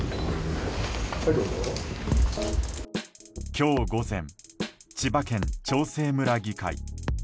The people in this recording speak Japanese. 今日午前、千葉県長生村議会。